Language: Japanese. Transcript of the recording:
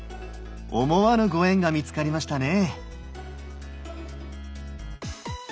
思わぬご縁が見つかりましたね。